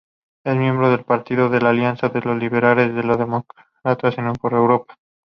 Es miembro del Partido de la Alianza de los Liberales y Demócratas por Europa.